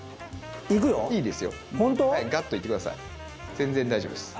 全然大丈夫です。